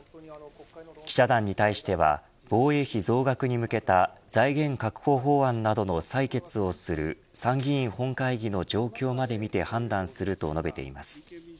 記者団に対しては防衛費増額に向けた財源確保法案などの採決をする参議院本会議の状況まで見て判断すると述べています。